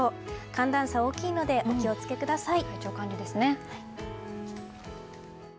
寒暖差が大きいのでお気を付けください。